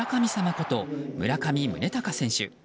こと村上宗隆選手。